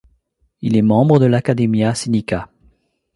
Il est membre de l'Academia sinica.